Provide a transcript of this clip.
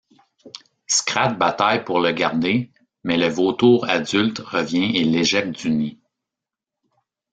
Scrat bataille pour le garder, mais le vautour adulte revient et l'éjecte du nid.